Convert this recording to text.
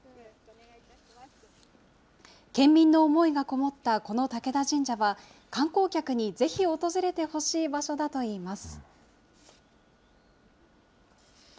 県民の思いがこもったこの武田神社は、観光客にぜひ訪れてほしい場所だといいます。